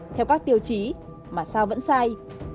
theo các tiêu chí mà sao vẫn sai